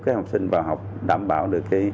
các học sinh vào học đảm bảo được